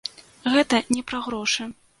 Гэта не пра грошы.